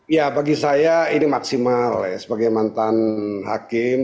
ya bagi saya ini maksimal ya sebagai mantan hakim